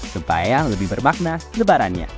supaya lebih bermakna lebarannya